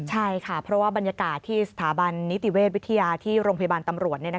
ใช่ค่ะเพราะว่าบรรยากาศที่สถาบันนิติเวชวิทยาที่โรงพยาบาลตำรวจ